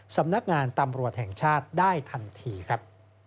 สำนักงานตำรวจแห่งชาติได้ทันทีครับ